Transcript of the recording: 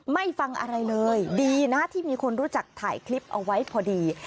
ฟังอะไรเลยดีนะที่มีคนรู้จักถ่ายคลิปเอาไว้พอดี